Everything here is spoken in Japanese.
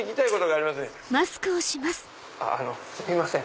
あのすいません。